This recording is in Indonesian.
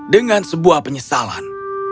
dengan sebuah penyesalan